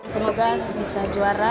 semoga bisa juara